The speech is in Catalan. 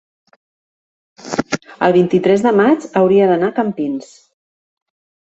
el vint-i-tres de maig hauria d'anar a Campins.